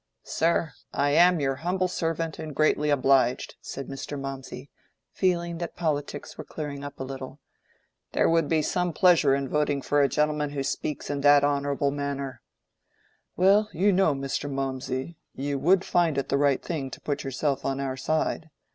"Sir, I am your humble servant, and greatly obliged," said Mr. Mawmsey, feeling that politics were clearing up a little. "There would be some pleasure in voting for a gentleman who speaks in that honorable manner." "Well, you know, Mr. Mawmsey, you would find it the right thing to put yourself on our side.